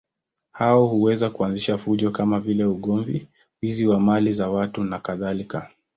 Hao huweza kuanzisha fujo kama vile ugomvi, wizi wa mali za watu nakadhalika.